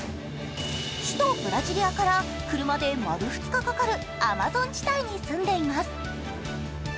首都ブラジリアから車で丸２日かかるアマゾン地帯に住んでいます。